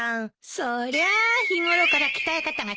そりゃあ日頃から鍛え方が違うもの。